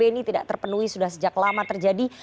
ini tidak terpenuhi sudah sejak lama terjadi